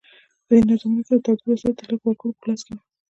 په دې نظامونو کې د تولید وسایل د لږو وګړو په لاس کې وي.